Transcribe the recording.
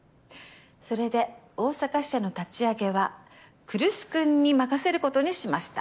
それで大阪支社の立ち上げは来栖君に任せることにしました。